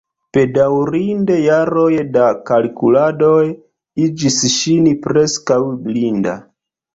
Bedaŭrinde, jaroj da kalkuladoj igis ŝin preskaŭ blinda.